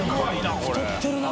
太ってるな。